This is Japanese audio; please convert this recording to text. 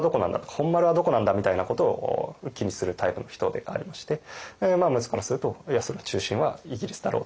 本丸はどこなんだみたいなことを気にするタイプの人でありまして陸奥からすると中心はイギリスだろうと。